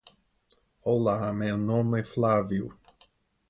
Olá, meu nome é Flavio